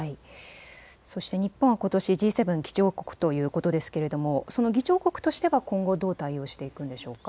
そして日本はことしＧ７議長国ということですがその議長国としては今後どう対応していくんでしょうか。